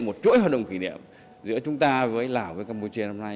một chuỗi hoạt động kỷ niệm giữa chúng ta với lào với campuchia hôm nay